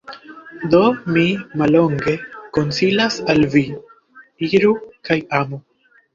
Do mi, mallonge, konsilas al Vi: Iru kaj amu!